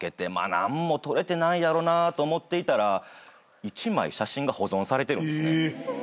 何も撮れてないやろなと思っていたら１枚写真が保存されてるんですね。